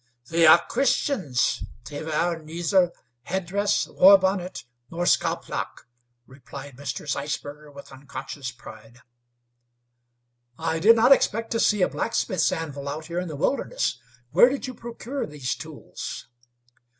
"They are Christians. They wear neither headdress, war bonnet, nor scalp lock," replied Mr. Zeisberger, with unconscious pride. "I did not expect to see a blacksmith's anvil out here in the wilderness. Where did you procure these tools?"